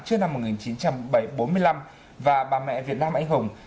trước năm một nghìn chín trăm bốn mươi năm và bà mẹ việt nam anh hùng